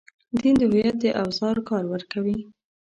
دین د هویت د اوزار کار ورکوي.